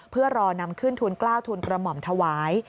เพื่อรอนำขึ้นทุนกล้าวทุนกระหม่อมถวาย